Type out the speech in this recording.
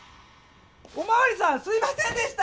おまわりさんすいませんでした！